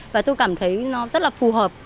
và tôi cảm thấy nó rất là phù hợp